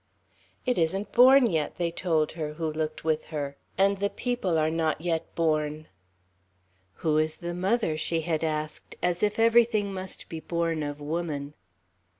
"It isn't born yet," they told her, who looked with her, "and the people are not yet born." "Who is the mother?" she had asked, as if everything must be born of woman.